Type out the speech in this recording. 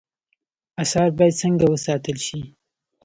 آثار باید څنګه وساتل شي؟